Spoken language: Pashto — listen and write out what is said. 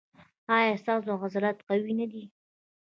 ایا ستاسو عضلات قوي نه دي؟